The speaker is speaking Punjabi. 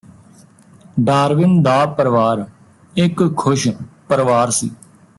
ਡਾਰਵਿਨ ਦਾ ਪਰਵਾਰ ਇੱਕ ਖ਼ੁਸ਼ ਪਰਵਾਰ ਸੀ